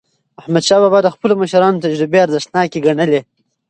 احمدشاه بابا د خپلو مشرانو تجربې ارزښتناکې ګڼلې.